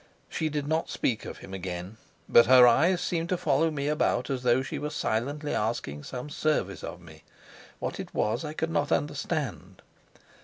She did not speak of him again; but her eyes seemed to follow me about as though she were silently asking some service of me; what it was I could not understand.